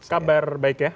kabar baik ya